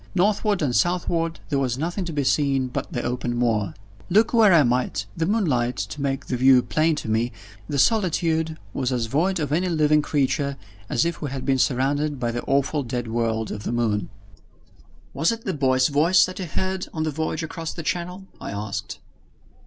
Northward and southward, there was nothing to be seen but the open moor. Look where I might, with the moonlight to make the view plain to me, the solitude was as void of any living creature as if we had been surrounded by the awful dead world of the moon. "Was it the boy's voice that you heard on the voyage across the Channel?" I asked.